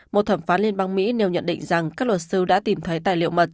một thẩm phán liên bang mỹ nêu nhận định rằng các luật sư đã tìm thấy tài liệu mật